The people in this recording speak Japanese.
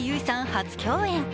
初共演。